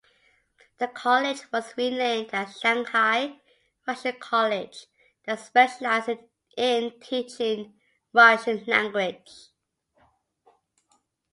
The college was renamed as Shanghai Russian College that specialise in teaching Russian language.